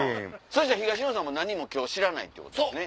そしたら東野さんも何も今日知らないってことですね。